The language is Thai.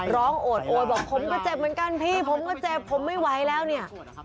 โอดโอยบอกผมก็เจ็บเหมือนกันพี่ผมก็เจ็บผมไม่ไหวแล้วเนี่ย